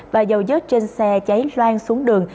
và dầu dớt trên xe cháy loan xuống đường